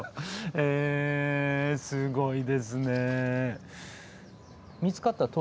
へえすごいですね。